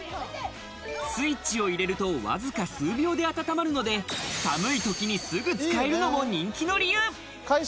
スイッチを入れると、わずか数秒で温まるので寒いときにすぐ使えるのも人気の理由。